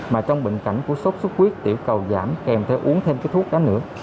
mà trong bệnh cảnh của sốt xuất huyết tiểu cầu giảm kèm theo uống thêm cái thuốc đó nữa